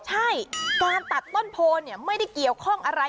ใช่การตัดต้นโพไม่ได้เกี่ยวข้องอะไร